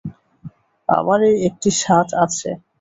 আমার এই একটি সাধ আছে।